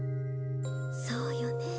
そうよね？